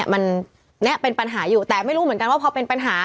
มันเป็นปัญหาอยู่แต่ไม่รู้เหมือนกันว่าพอเป็นปัญหา